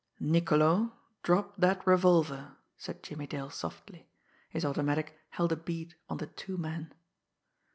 "Niccolo, drop that revolver!" said Jimmie Dale softly. His automatic held a bead on the two men.